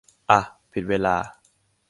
อ่ะ เวลาผิด